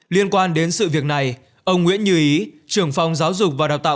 liên quan đến sự việc này ông nguyễn như ý trưởng phòng giáo dục và đào tạo